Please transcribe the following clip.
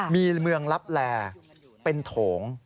มีเมืองลับแลเป็นโถง